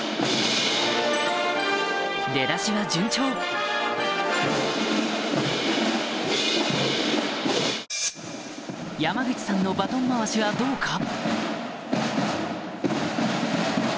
出だしは順調山口さんのバトン回しはどうか？